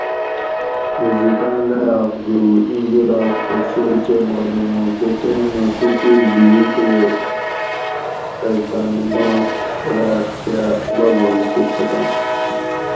عزتاں لایاۤق جوؤ اِیں جولاگ تہ سوئ کہ مالوم اُوں کہ ٹیمہ کُکور بِیو تے ائ تانی ماٹ راۤت کا بابام کہ چھٹاں